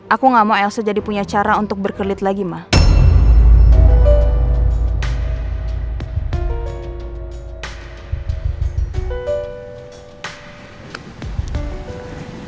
aku gak mau elsa jadi punya cara untuk berkelit lagi mah